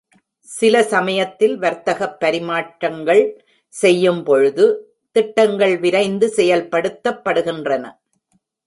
சில சமயத்தில் வர்த்தகப் பரிமாற்றங்கள் செய்யும்பொழுது திட்டங்கள் விரைந்து செயல்படுத்தப்படுகின்றன.